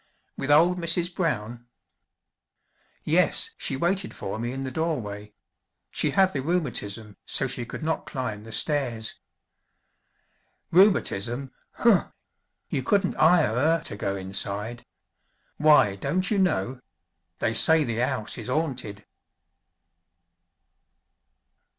"With old Mrs. Brown?" "Yes, she waited for me in the doorway she had the rheumatism so she could not climb the stairs." "Rheumatism? Huh! you couldn't 'ire 'er to go inside. Why, don't you know? They say the 'ouse is 'aunted!"